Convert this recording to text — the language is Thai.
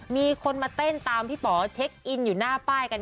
มีคนมาเต้นตามพี่ป๋อเช็คอินอยู่หน้าป้ายกัน